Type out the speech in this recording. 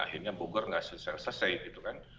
akhirnya bogor nggak selesai gitu kan